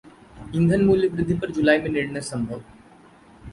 ईंधन मूल्य वृद्धि पर जुलाई में निर्णय संभव